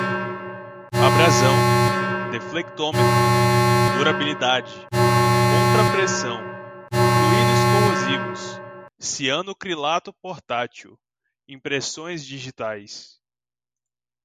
abrasão, deflectômetro, durabilidade, contrapressão, fluídos corrosivos, cianocrilato portátil, impressões digitais